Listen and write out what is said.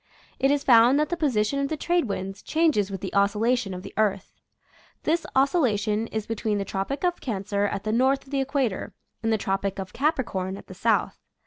It is found that the position of the trade winds changes with the oscillation of the earth. This oscillation is between the Tropic of Cancer at the north of the equator and the Tropic of Capricorn at the south.